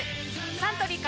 サントリーから